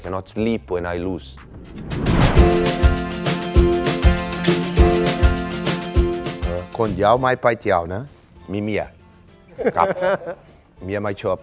ฉันเป็นฮัตตีฐานตายอีกไม่งั้นฉันไม่สลิฟท์